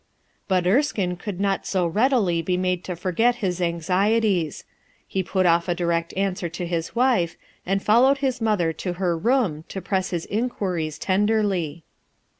But Erskine could not so readily be made to forget his anxieties. He put off a direct answer to his wife, and followed his mother to her room to press his inquiries tenderly.